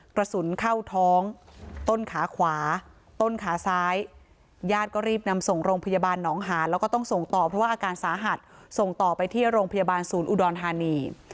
กระสุนเข้าท้องต้นขาขวาต้นขาซ้ายญาติก็รีบนำส่งโรงพยาบาลหนองหานแล้วก็ต้องส่งต่อเพราะว่าอาการสาหัสส่งต่อไปที่โรงพยาบาลศูนย์อุดรธานี